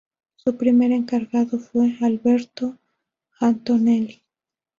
Su primer encargado fue Alberto Antonelli.